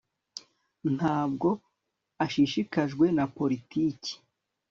ntabwo ashishikajwe na politiki